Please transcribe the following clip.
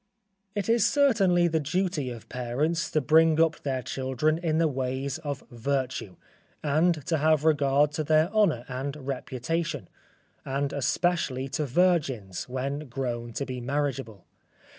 It is certainly the duty of parents to bring up their children in the ways of virtue, and to have regard to their honour and reputation; and especially to virgins, when grown to be marriageable.